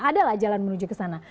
ada lah jalan menuju ke sana